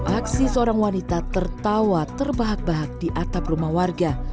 aksi seorang wanita tertawa terbahak bahak di atap rumah warga